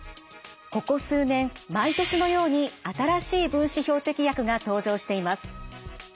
ここ数年毎年のように新しい分子標的薬が登場しています。